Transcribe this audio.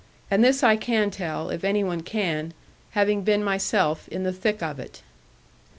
And this I can tell, if any one can, having been myself in the thick of it.